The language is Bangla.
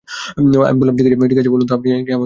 আমি বললাম, ঠিক করে বলুন তো আপনি কি আমাকে চিনতে পেরেছেন?